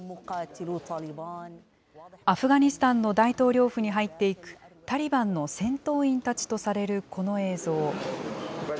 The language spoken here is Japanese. アフガニスタンの大統領府に入っていくタリバンの戦闘員たちとされるこの映像。